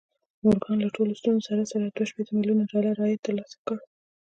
مورګان له ټولو ستونزو سره سره دوه شپېته ميليونه ډالر عايد ترلاسه کړ.